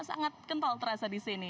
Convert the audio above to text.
sangat kental terasa di sini